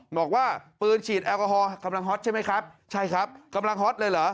บอกว่าปืนฉีดแอลกอฮอลกำลังฮอตใช่ไหมครับใช่ครับกำลังฮอตเลยเหรอ